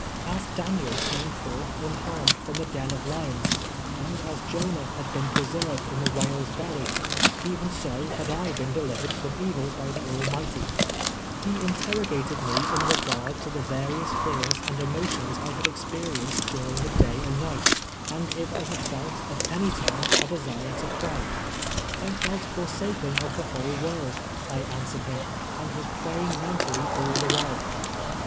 As Dan iel came f )rth unharmed from the den of lions, and as Jonah had been ]»rescrved in the whale's belly, even so had I been delivered from evil by the Al mighty, lie interrogated me in regard to the various fears and emotions I had experienced during the day ford's EEilARKS ON TIIE WAT. 149 and night, and if I liad felt, at any time, a desire to pray. I felt forsaken of the whole world, I answered him, and was praying mentally all the while.